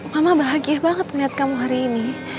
mama bahagia banget niat kamu hari ini